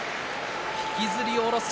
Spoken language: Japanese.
引きずり下ろす